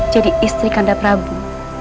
jadi istri kanda prabu